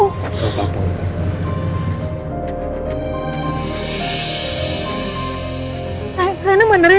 oh tak apa